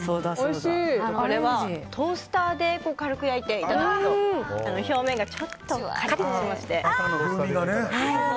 これはトースターで軽く焼いていただくと表面がちょっとカリッとしまして。